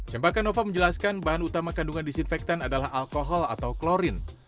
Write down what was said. cempaka nova menjelaskan bahan utama kandungan disinfektan adalah alkohol atau klorin